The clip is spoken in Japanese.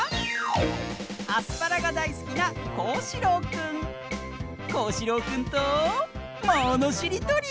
アスパラがだいすきなこうしろうくんとものしりとり！